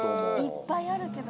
いっぱいあるけど。